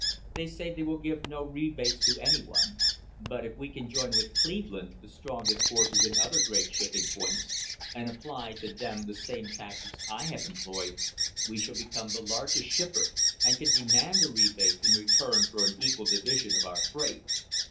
They say they will give no rebates to anyone, but if we can join with Cleveland the strongest forces in other great shipping points, and apply to them the same tactics I have employed, we shall become the largest shipper, and can demand a rebate in return for an equal division of our freight.